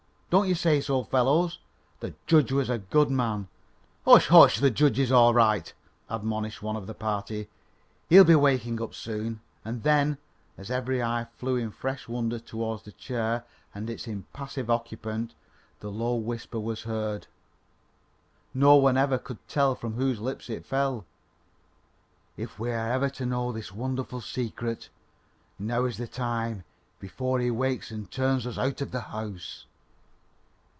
Don't you say so, fellows? The judge was a good man " "Hush! hush! the judge is all right," admonished one of the party; "he'll be waking up soon"; and then, as every eye flew in fresh wonder towards the chair and its impassive occupant, the low whisper was heard, no one ever could tell from whose lips it fell: "If we are ever to know this wonderful secret, now is the time, before he wakes and turns us out of the house."